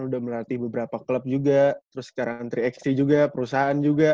udah melatih beberapa klub juga terus sekarang tiga x tiga perusahaan juga